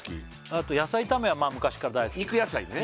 あと野菜炒めは昔から大好き肉野菜ね